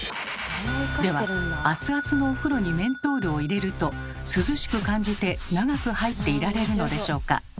では熱々のお風呂にメントールを入れると涼しく感じて長く入っていられるのでしょうか。